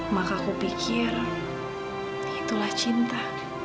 maka kupikir itulah cinta